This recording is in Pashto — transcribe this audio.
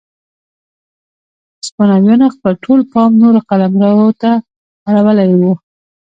هسپانویانو خپل ټول پام نورو قلمرو ته اړولی و.